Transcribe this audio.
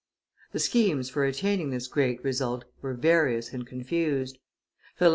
The schemes for attaining this great result were various and confused. Philip V.